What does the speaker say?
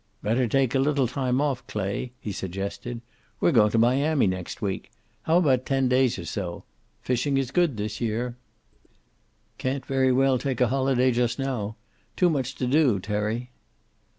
"Better take a little time off, Clay," he suggested. "We're going to Miami next week. How about ten days or so? Fishing is good this year." "Can't very well take a holiday just now. Too much to do, Terry."